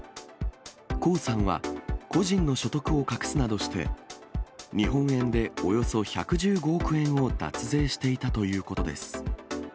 黄さんは個人の所得を隠すなどして、日本円でおよそ１１５億円を脱税していたということです。